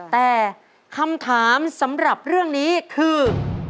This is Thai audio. แต่คำถามสำหรับเรื่องนี้คือ